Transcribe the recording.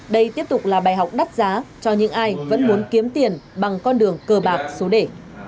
đây tiếp tục là bài học đắt giá cho những ai vẫn muốn kiếm tiền bằng con đường cờ bạc số đề